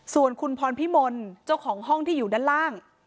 ส่วนคุณพรพิมลเจ้าของห้องที่อยู่ด้านล่าง